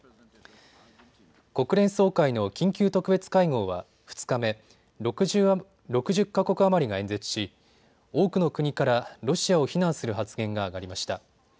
国連総会の緊急特別会合は２日目、６０か国余りが演説し多くの国からロシアを非難する発言が上がりました。